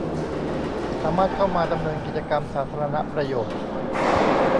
สามารถเข้ามาดำเนินกิจกรรมสาธารณประโยชน์